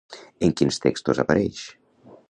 En quins textos apareix?